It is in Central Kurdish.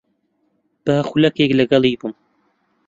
با خولەکێک لەگەڵی بم.